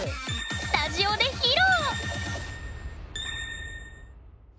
スタジオで披露！